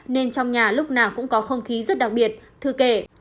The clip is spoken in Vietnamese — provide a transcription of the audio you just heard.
nên trong nhà lúc nào cũng có không khí rất đặc biệt thư kể